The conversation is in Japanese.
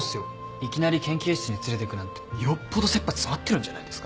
いきなり研究室に連れてくなんてよっぽど切羽詰まってるんじゃないですか？